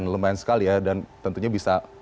lumayan sekali ya dan tentunya bisa